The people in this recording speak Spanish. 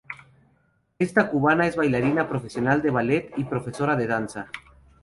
Esta cubana es bailarina profesional de ballet y profesora de danza.